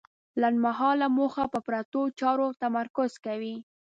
لنډمهاله موخه په پرتو چارو تمرکز کوي.